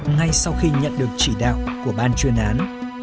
ngay sau khi nhận được chỉ đạo của ban chuyên án